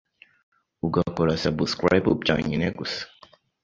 ugakora Subscribe byonyine gusa